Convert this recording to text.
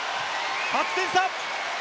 ８点差！